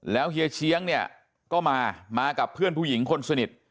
เฮียเชียงเนี่ยก็มามากับเพื่อนผู้หญิงคนสนิท